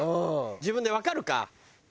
自分でわかるか。